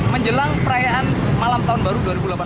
menjelang perayaan malam tahun baru dua ribu delapan belas